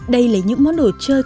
đây là những món đồ chơi